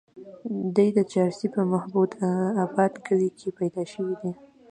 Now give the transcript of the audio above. دے د چارسرې پۀ محمود اباد کلي کښې پېدا شوے دے